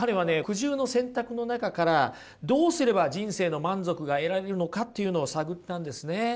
苦渋の選択の中からどうすれば人生の満足が得られるのかっていうのを探ったんですね。